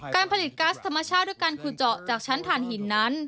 การผลิตก๊าซธรรมชาติด้วยการขุดเจาะจากชั้นฐานหินนั้น